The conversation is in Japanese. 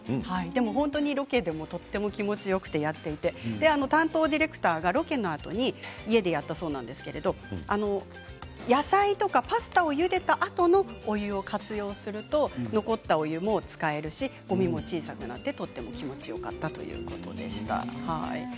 本当にロケでもとても気持ちがよくて担当ディレクターがロケのあとに家でやったそうなんですけれど野菜とかパスタをゆでたあとのお湯を活用すると残ったお湯も使えるしごみも小さくなってとても気持ちよかったということでした。